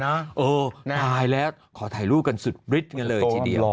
ตายแล้วขอถ่ายรูปกันสุดฤทธิ์กันเลยทีเดียว